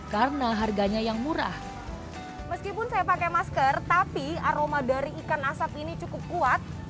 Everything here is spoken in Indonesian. karena harganya yang murah meskipun saya pakai masker tapi aroma dari ikan asap ini cukup kuat